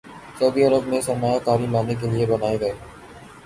سعودی عرب میں سرمایہ کاری لانے کے لیے بنائے گئے